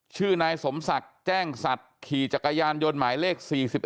ชื่อนายสมศักดิ์แจ้งสัตว์ขี่จักรยานยนต์หมายเลข๔๑